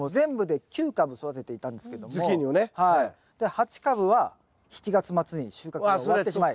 ８株は７月末に収穫が終わってしまい。